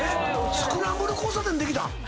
スクランブル交差点できたん？